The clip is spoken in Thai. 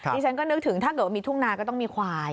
ดิฉันก็นึกถึงถ้าเกิดว่ามีทุ่งนาก็ต้องมีควาย